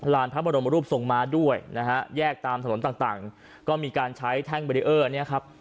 พระบรมรูปทรงม้าด้วยนะฮะแยกตามถนนต่างก็มีการใช้แท่งเบรีเออร์เนี่ยครับ